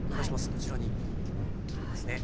こちらにありますね。